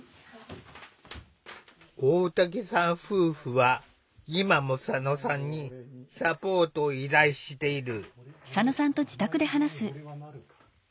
大滝さん夫婦は今も佐野さんにサポートを依頼している。